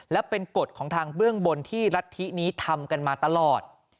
และเป็นกฎของทางเบื้องบนที่รัฐธินี้ทำกันมาตลอด